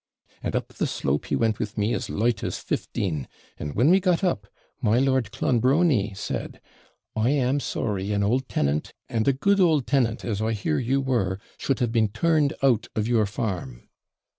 And up the slope he went with me as light as fifteen; and, when we got up, my Lord Clonbrony said, 'I am sorry an old tenant, and a good old tenant, as I hear you were, should have been turned out of your farm.'